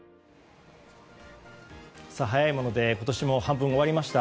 早いもので今年も半分終わりました。